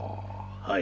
はい。